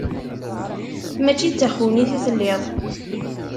Mačči d taxewnit i telliḍ.